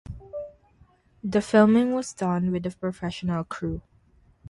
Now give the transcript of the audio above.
The filming was done with a professional crew.